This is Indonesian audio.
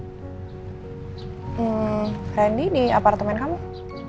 hmm randy di apartemen kamu